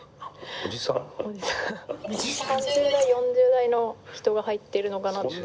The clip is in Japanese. ３０代４０代の人が入ってるのかなって。